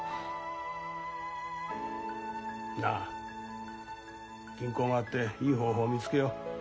なあ銀行回っていい方法見つけよう。